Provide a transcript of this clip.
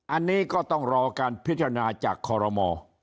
อันนี้ก็ต้องรอการพิจารณาจากคอรมอ